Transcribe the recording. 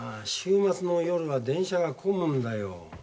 週末の夜は電車が混むんだよ。